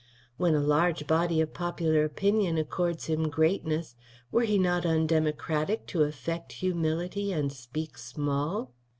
When a large body of popular opinion accords him greatness, were he not undemocratic to affect humility and speak small?